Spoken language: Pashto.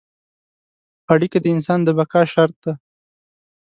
اړیکه د انسان د بقا شرط ده.